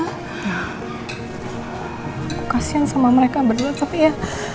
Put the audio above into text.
aku kasihan sama mereka berdua tapi ya